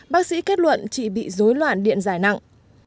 bác sĩ kết luận chị bị dối loạn điện dài nặng